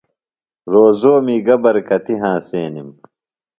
روزومی گہ برکتیۡ ہنسنِم؟ ص